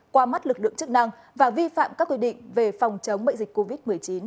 qua mắt lực lượng chức năng và vi phạm các quy định về phòng chống bệnh dịch covid một mươi chín